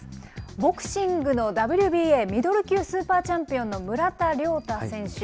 ボクシングのＷＢＡミドル級スーパーチャンピオンの村田諒太選手。